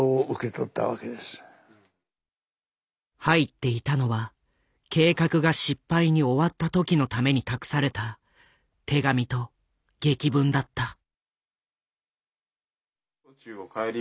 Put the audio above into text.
入っていたのは計画が失敗に終わった時のために託された手紙と檄文だった。